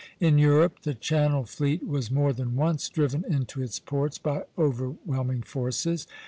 In Europe the Channel fleet was more than once driven into its ports by overwhelming forces.